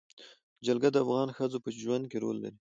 جلګه د افغان ښځو په ژوند کې رول لري.